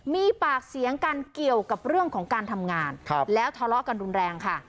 มีปากเสียงกันเกี่ยวกับเรื่องของการทำงานแล้วทะเลาะกันรุนแรงค่ะ